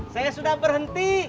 saya sudah berhenti